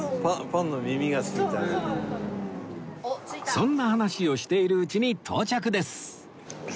そんな話をしているうちに到着です